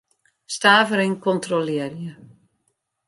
Stavering kontrolearje.